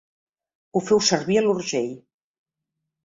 Ho feu servir a l'Urgell.